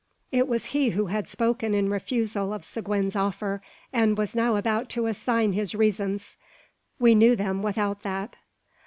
It was he who had spoken in refusal of Seguin's offer, and he was now about to assign his reasons. We knew them without that.